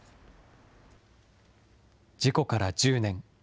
事故から１０年。